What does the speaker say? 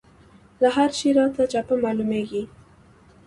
او هر شی راته چپه معلومېږي.